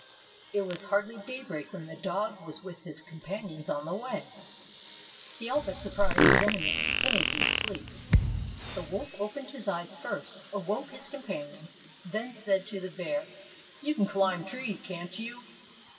It was hardly daybreak when the dog was with his companions on the way. He all but surprised his ene mies in a deep sleep. The wolf opened his eyes first, awoke his companions, and said to the bear, "You can climb trees, can't you?